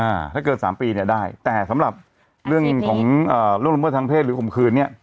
อ่าถ้าเกินสามปีเนี้ยได้แต่สำหรับเรื่องของเอ่อล่วงละเมิดทางเพศหรือข่มขืนเนี้ย